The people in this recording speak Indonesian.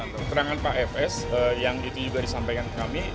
keterangan pak fs yang itu juga disampaikan ke kami